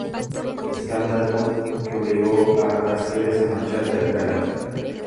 Escándalo que obligó a Cascales a marchar de Alcalá.